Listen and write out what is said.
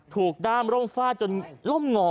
ด้ามร่มฟาดจนล่มงอ